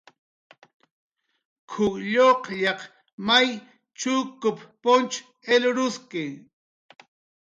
"K""uw lluqllaq may chukup punch ilruski"